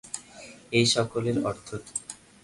এ সকলের অর্থ কি?